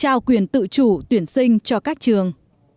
trong việc trao quyền tự chủ tuyển sinh cho các trường